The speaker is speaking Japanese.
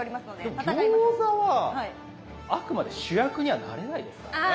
でも餃子はあくまで主役にはなれないですからね。